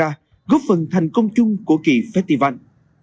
hãy đăng ký kênh để ủng hộ kênh thành công chung của kỳ festival